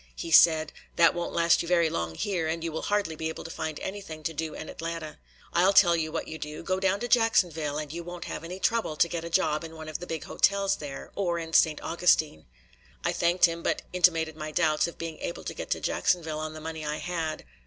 He said: "That won't last you very long here, and you will hardly be able to find anything to do in Atlanta. I'll tell you what you do, go down to Jacksonville and you won't have any trouble to get a job in one of the big hotels there, or in St. Augustine." I thanked him, but intimated my doubts of being able to get to Jacksonville on the money I had.